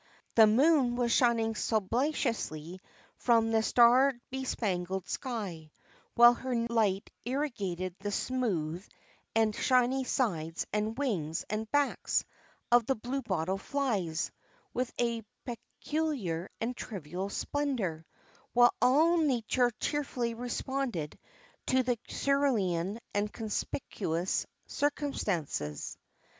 The moon was shining slobaciously from the star bespangled sky, while her light irrigated the smooth and shiny sides and wings and backs of the bluebottle flies with a peculiar and trivial splendor, while all nature cheerfully responded to the cerulean and conspicuous circumstances.